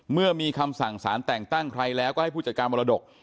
เมื่อมีคำสั่งสารแต่งตั้งใครแล้วก็ให้ผู้จัดการมรดก